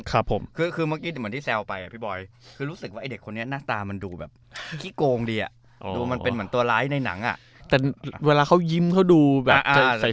คือเมื่อกี้เหมือนที่แซวไปพี่บอย